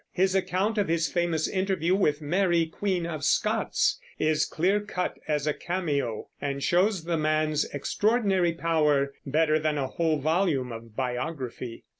His account of his famous interview with Mary Queen of Scots is clear cut as a cameo, and shows the man's extraordinary power better than a whole volume of biography.